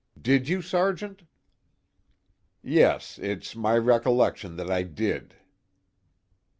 Did you, Sergeant?" "Yes, it's my recollection that I did."